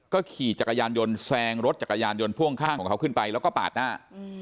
ขี่จักรยานยนต์แซงรถจักรยานยนต์พ่วงข้างของเขาขึ้นไปแล้วก็ปาดหน้า